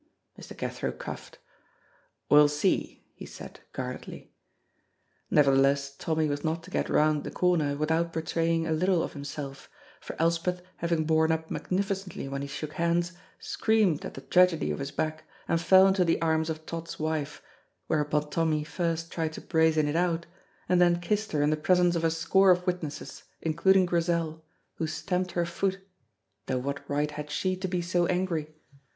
Mr. Cathro coughed. "We'll see," he said guardedly. Nevertheless Tommy was not to get round the corner without betraying a little of himself, for Elspeth having borne up magnificently when he shook hands, screamed at the tragedy of his back and fell into the arms of Tod's wife, whereupon Tommy first tried to brazen it out and then kissed her in the presence of a score of witnesses, including Grizel, who stamped her foot, though what right had she to be so angry?